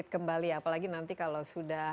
kembali apalagi nanti kalau sudah